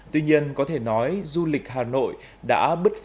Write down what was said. tuy nhiên có thể nói du lịch hà nội đã bứt phá